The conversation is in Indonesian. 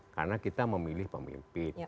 karena kita memilih pemimpin